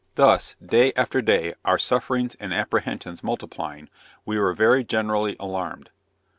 Thus day after day, our sufferings and apprehensions multiplying, we were very generally alarmed.